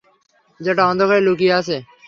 যেটা অন্ধকারে লুকিয়ে আছে।